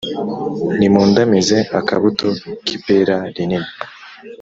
nimundamize akabuto k’ipera rinini